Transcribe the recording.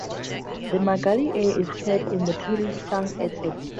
The "Magali" air is heard in the prelude, sung at a distance.